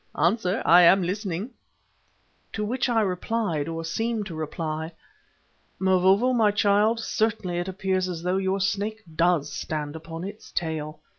Answer, I am listening." To which I replied, or seemed to reply: "Mavovo, my child, certainly it appears as though your Snake does stand upon its tail.